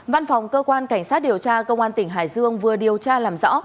văn phòng cơ quan cảnh sát điều tra công an tỉnh hải dương vừa điều tra làm rõ